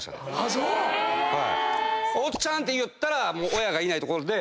そう⁉おっちゃんって言ったら親がいない所で。